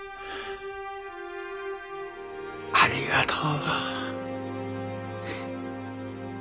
ありがとう。